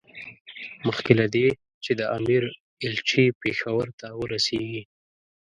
مخکې له دې چې د امیر ایلچي پېښور ته ورسېږي.